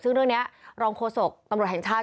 ซึ่งเรื่องนี้รองโฆษกตำรวจแห่งชาติ